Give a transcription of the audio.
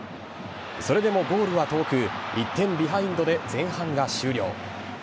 それでもゴールは遠く１点ビハインドで前半が終了。